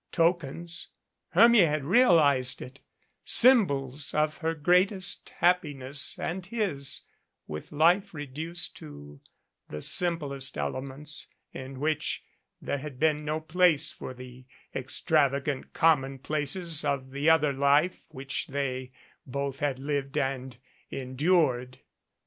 Tokens Hermia had realized it symbols of her great est happiness and his, with life reduced to the simplest ele ments, in which there had been no place for the extrava gant commonplaces of the other life which they both had lived and endured.